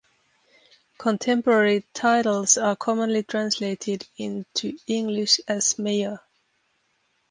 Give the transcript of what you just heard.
Contemporary titles are commonly translated into English as "mayor".